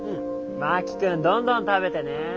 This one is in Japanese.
真木君どんどん食べてね。